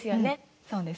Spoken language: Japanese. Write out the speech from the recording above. そうですね。